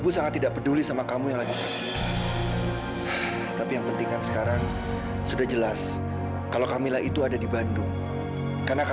sampai jumpa di video selanjutnya